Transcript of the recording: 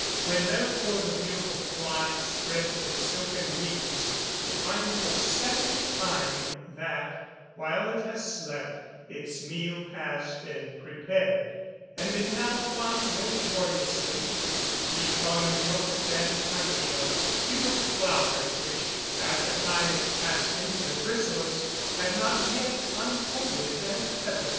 When, therefore, the beautiful fly spreads its silken wings, it finds a second time that, while it has slept, its meal has been prepared, and it now flies away joyously to feed upon the milk and honey of beautiful flowers which, at the time it passed into the chrysalis, had not yet unfolded their petals.